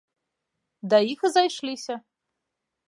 Да іх і зайшліся.